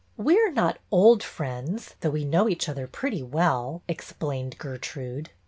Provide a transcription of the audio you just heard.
"We are not old friends, though we know each other pretty well," explained Gertrude.